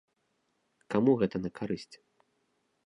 Каму гэта на карысць?